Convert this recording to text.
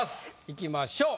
いきましょう。